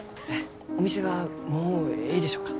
お店はもうえいでしょうか？